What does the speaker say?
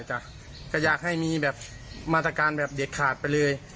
ก็อยากให้มีแบบมาตรการแบบเด็ดขาดไปเลย